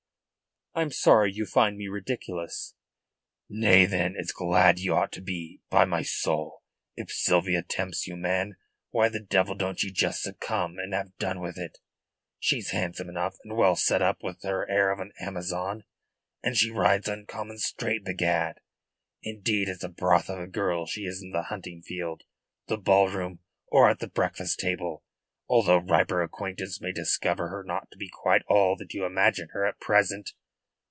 "I am sorry you find me ridiculous." "Nay, then, it's glad ye ought to be. By my soul, if Sylvia tempts you, man, why the devil don't ye just succumb and have done with it? She's handsome enough and well set up with her air of an Amazon, and she rides uncommon straight, begad! Indeed it's a broth of a girl she is in the hunting field, the ballroom, or at the breakfast table, although riper acquaintance may discover her not to be quite all that you imagine her at present.